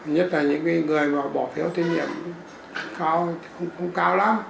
nhất là những người bỏ phiếu tín hiệm cao không cao lắm